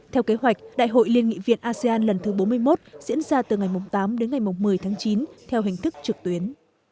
theo kế hoạch đại hội liên nghị viện asean lần thứ bốn mươi một diễn ra từ ngày tám đến ngày một mươi tháng chín theo hình thức trực tuyến